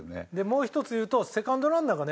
もう一つ言うとセカンドランナーがね